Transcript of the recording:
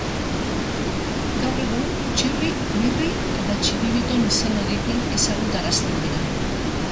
Gaur egun Txirri, Mirri eta Txiribiton izenarekin ezagutarazten dira.